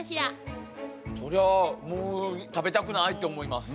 それはもう食べたくないって思います。